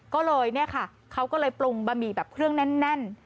ก็เลยเนี่ยค่ะเขาก็เลยปรุงบะหมี่แบบเครื่องแน่น